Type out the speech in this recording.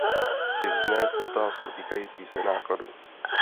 Chci vznést otázku týkající se nákladů.